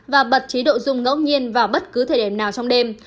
và bật chế độ rùng ngẫu nhiên vào bất cứ thời điểm nào trong đêm